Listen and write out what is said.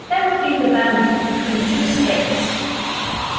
That would be the boundary between the two states.